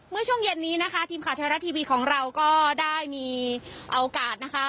เมื่อช่วงเย็นนี้นะคะทีมข่าวไทยรัฐทีวีของเราก็ได้มีโอกาสนะคะ